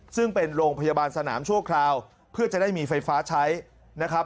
ซึ่งเป็นโรงพยาบาลสนามชั่วคราวเพื่อจะได้มีไฟฟ้าใช้นะครับ